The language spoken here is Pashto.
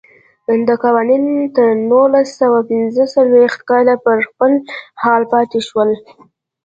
دا قوانین تر نولس سوه پنځه څلوېښت کاله پر خپل حال پاتې شول.